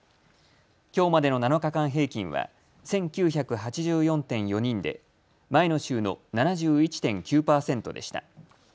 きょうまでの７日間平均は１９８４．４人で前の週の７１．９％でした。